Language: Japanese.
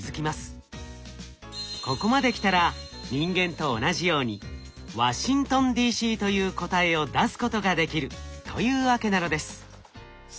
ここまで来たら人間と同じように「ワシントンＤ．Ｃ．」という答えを出すことができるというわけなのです。